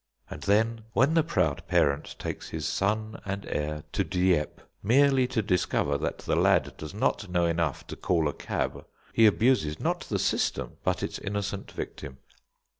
And then, when the proud parent takes his son and heir to Dieppe merely to discover that the lad does not know enough to call a cab, he abuses not the system, but its innocent victim.